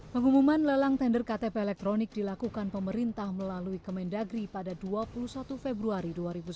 pengumuman lelang tender ktp elektronik dilakukan pemerintah melalui kemendagri pada dua puluh satu februari dua ribu sembilan belas